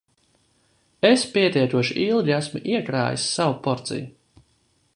"Es pietiekoši ilgi esmu "iekrājis" savu porciju."